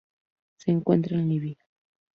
Se encuentra en Libia.